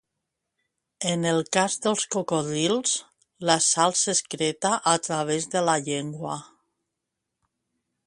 En el cas dels cocodrils, la sal s'excreta a través de la llengua.